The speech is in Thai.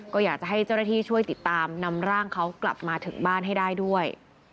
ก็อยากจะให้เจ้าหน้าที่ช่วยติดตามนำร่างเขากลับมาถึงบ้านให้ได้ด้วย